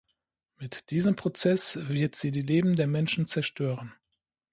Mit diesem Prozess wird sie die Leben der Menschen zerstören.